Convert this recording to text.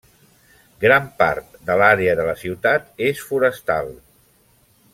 Gran part de l'àrea de la ciutat és forestal.